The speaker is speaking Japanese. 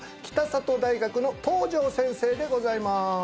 北里大学の東條先生でございます